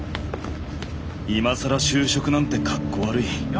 今更就職なんて格好悪い。